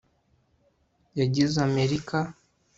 yagize amerika